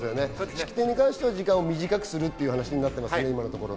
式典に関しては時間を短くする形になると言っていますね。